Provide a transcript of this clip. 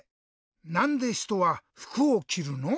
なんでひとはふくをきるの？